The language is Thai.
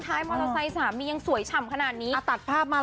ท้ายมอสไซค์สามียังสวยฉ่ำขนาดนี้อ่ะ